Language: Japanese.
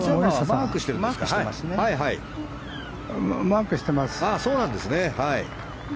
マークしてます。